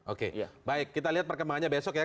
oke baik kita lihat perkembangannya besok ya